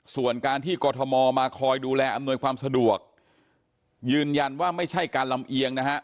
ส่วนการที่กรทมมาคอยดูแลอำนวยความสะดวกยืนยันว่าไม่ใช่การลำเอียงนะฮะ